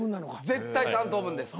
絶対３等分です。